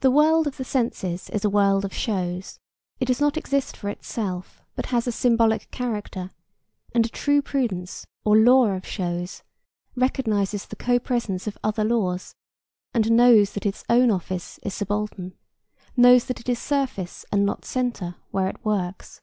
The world of the senses is a world of shows; it does not exist for itself, but has a symbolic character; and a true prudence or law of shows recognizes the co presence of other laws and knows that its own office is subaltern; knows that it is surface and not centre where it works.